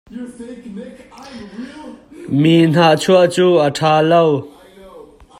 Mi nahchuah cu a ṭha lo.